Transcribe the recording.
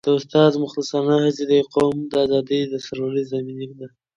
د استاد مخلصانه هڅې د یو قوم د ازادۍ او سرلوړۍ ضامنې دي.